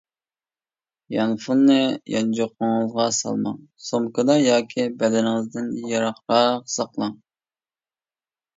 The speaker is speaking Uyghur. يانفوننى يانچۇقىڭىزغا سالماڭ، سومكىدا ياكى بەدىنىڭىزدىن يىراقراق ساقلاڭ.